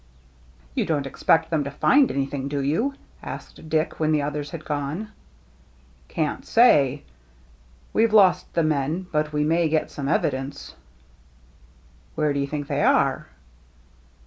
*'You don't expect them to find anything, do you?" asked Dick, when the others had gone. "Can't say. WeVe lost the men, but we may get some evidence." " Where do you think they are